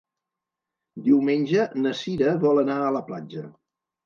Diumenge na Sira vol anar a la platja.